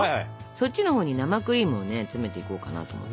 そっちのほうに生クリームをね詰めていこうかなと思って。